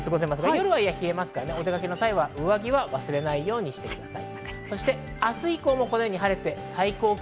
夜は冷えますから、お出かけの時は上着を忘れないようにしてください。